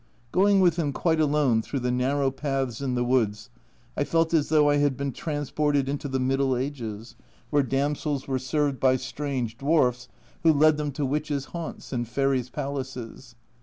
Going with him quite alone through the narrow paths in the woods I felt as though I had been trans ported into the Middle Ages, where damsels were served by strange dwarfs who led them to witches' 196 A Journal from Japan haunts and fairies' palaces.